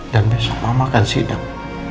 dan besok mama akan sidang